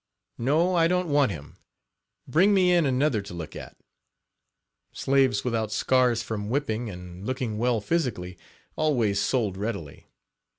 No, I don't want him; bring me in another to look at." Slaves without scars from whipping and looking well physisally always sold readily.